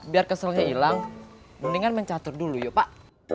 biar keselnya hilang mendingan mencatur dulu yuk pak